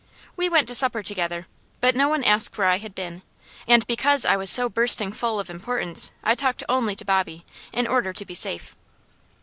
We went to supper together, but no one asked where I had been, and because I was so bursting full of importance, I talked only to Bobby, in order to be safe.